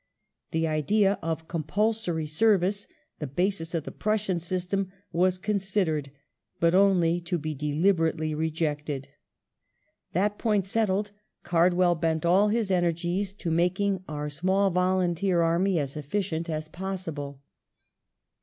The idea of compulsory service — the basis of the Prussian system — was considered, but only to be deliberately rejected. That point settled. Card well bent all his energies to making our small volunteer army as efficient as possible.